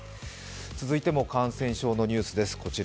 続いても感染症のニュースです。